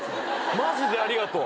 マジでありがとう。